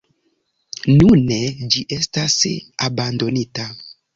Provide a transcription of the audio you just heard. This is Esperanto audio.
Nune ĝi estas abandonita.